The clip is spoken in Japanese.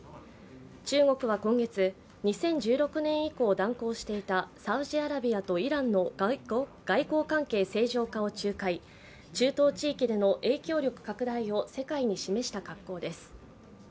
中国は今月、２０１６年以降断交していたサウジアラビアとイランの外交関係正常化を仲介、中東地域での影響力拡大を世界に示した格好です。